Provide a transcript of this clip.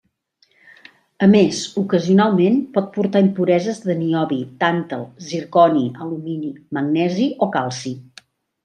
A més, ocasionalment pot portar impureses de niobi, tàntal, zirconi, alumini, magnesi o calci.